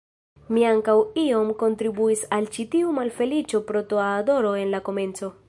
Mi ankaŭ iom kontribuis al ĉi tiu malfeliĉo per troa adoro en la komenco.